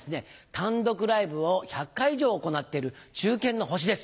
単独ライブを１００回以上行っている中堅の星です。